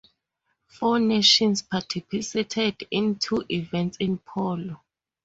Four nations participated in two events in polo.